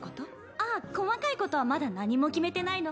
ああ、細かいことはまだ何も決めてないの。